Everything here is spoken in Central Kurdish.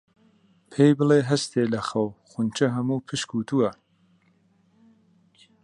پێی بڵێ هەستێ لە خەو، خونچە هەموو پشکووتووە